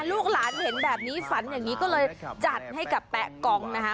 ลูกหลานเห็นแบบนี้ฝันอย่างนี้ก็เลยจัดให้กับแป๊ะกองนะคะ